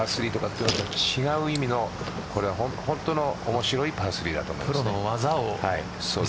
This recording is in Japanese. ただ、距離が長いパー３とかとは違う意味の本当の面白いパー３だと思います。